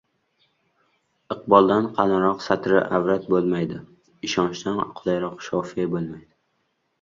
Iqboldan qalinroq satri-avrat bo‘lmaydi, ishonchdan qulayroq shofe bo‘lmaydi.